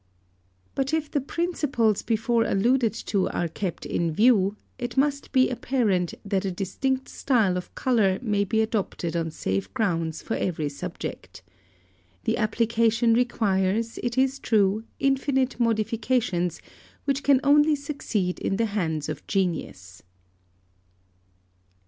But if the principles before alluded to are kept in view, it must be apparent that a distinct style of colour may be adopted on safe grounds for every subject. The application requires, it is true, infinite modifications, which can only succeed in the hands of genius.